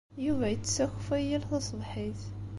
Yuba yettess akeffay yal taṣebḥit.